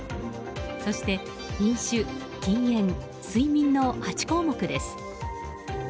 そして飲酒、禁煙、睡眠の８項目です。